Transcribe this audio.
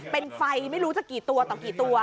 เป็นไฟไม่รู้จะกี่ตัวต่อกี่ตัว